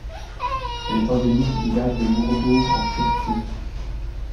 Elle est endémique du Lac de Burdur en Turquie.